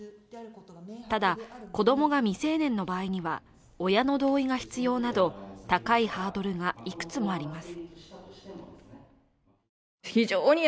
ただ、子供が未成年の場合には親の同意が必要など高いハードルがいくつもあります。